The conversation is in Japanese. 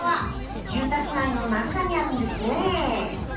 住宅街の中にあるんですね。